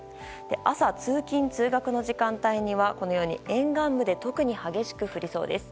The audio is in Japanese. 朝、通勤・通学の時間帯には沿岸部で特に激しく降りそうです。